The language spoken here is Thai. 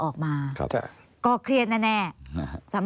ครับ